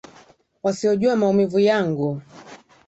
Wasiojua maumivu yangu